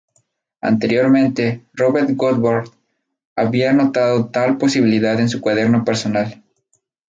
Anteriormente, Robert Goddard había notado tal posibilidad en su cuaderno personal.